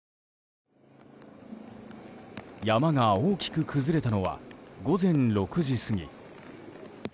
山が大きく崩れたのは午前６時過ぎ。